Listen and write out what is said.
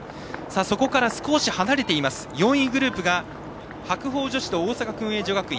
そこから少し離れて４位グループが白鵬女子と大阪薫英女学院。